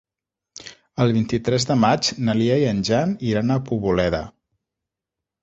El vint-i-tres de maig na Lia i en Jan iran a Poboleda.